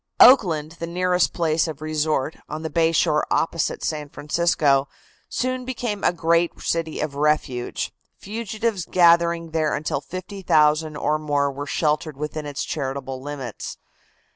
Oakland, the nearest place of resort, on the bay shore opposite San Francisco, soon became a great city of refuge, fugitives gathering there until 50,000 or more were sheltered within its charitable limits.